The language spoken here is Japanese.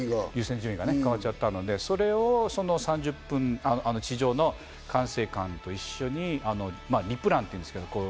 優先順位が変わっちゃうので、地上の管制官と一緒にリプランというんですけど。